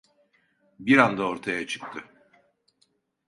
Bir anda ortaya çıktı.